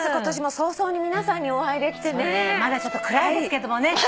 今年も早々に皆さんにお会いできてね。まだちょっと暗いですけどもね。